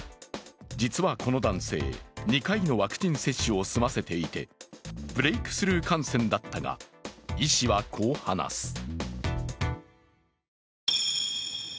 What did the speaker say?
実はこの男性、２回のワクチン接種を済ませていてブレークスルー感染だったが、医師はこう話す。